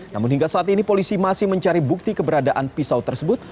namun hingga saat ini polisi masih mencari bukti keberadaan pisau tersebut